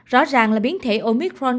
rõ ràng là biến thể omicron